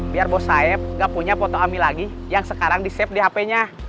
biar bos sab gak punya foto ami lagi yang sekarang di shape di hp nya